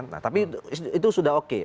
nah tapi itu sudah oke